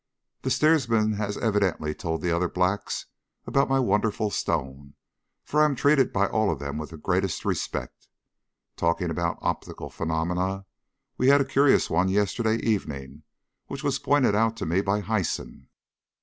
The steersman has evidently told the other blacks about my wonderful stone, for I am treated by them all with the greatest respect. Talking about optical phenomena, we had a curious one yesterday evening which was pointed out to me by Hyson.